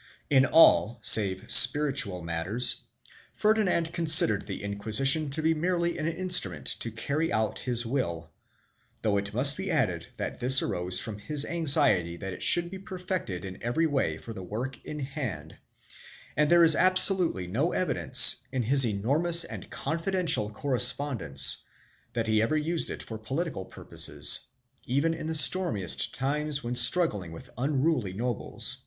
; In all save spiritual matters, Ferdinand considered ^the Inqui sition to be merely an instrument to carry out his Tjrill, though it must be added that this arose from his anxiety that it should be perfected in every way for the work in hand, and there is absolutely no evidence, in his enormous and confidential cor respondence, that he ever used it for political purposes, even in the stormiest times when struggling with unruly nobles.